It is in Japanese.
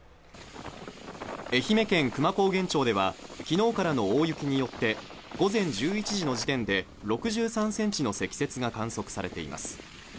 愛媛県久万高原町では、昨日からの大雪によって午前１１時の時点で６３ｃｍの積雪が観測されています。